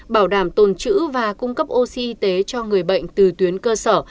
bảo đảm tồn chữ và cung cấp oxy y tế cho người bệnh từ tuyến cơ sở